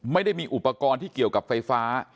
ไม่ได้มีอุปกรณ์ที่เกี่ยวกับไฟฟ้า